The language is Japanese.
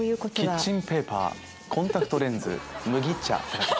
「キッチンペーパーコンタクトレンズ麦茶」。